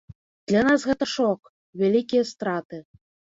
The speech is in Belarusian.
Для нас гэта шок, вялікія страты.